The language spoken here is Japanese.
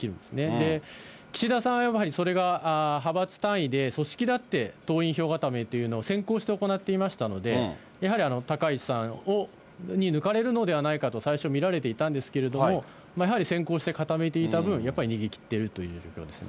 で、岸田さんはやはり、それが派閥単位で組織だって党員票固めというのを先行して行っていましたので、やはり高市さんに抜かれるのではないかと最初見られていたんですけれども、やはり先行して固めていた分、やっぱり逃げ切っているという状況ですね。